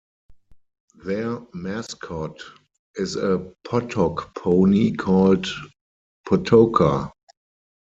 Their mascot is a pottok pony called "pottoka".